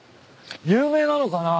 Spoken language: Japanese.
有名なのかな？